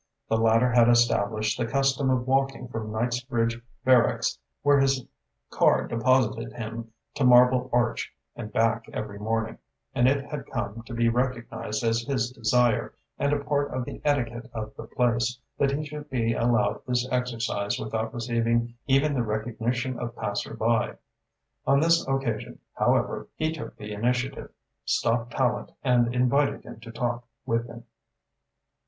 The latter had established the custom of walking from Knightsbridge Barracks, where his car deposited him, to Marble Arch and back every morning, and it had come to be recognised as his desire, and a part of the etiquette of the place, that he should be allowed this exercise without receiving even the recognition of passersby. On this occasion, however, he took the initiative, stopped Tallente and invited him to talk with him.